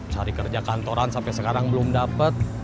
cari kerja kantoran sampai sekarang belum dapat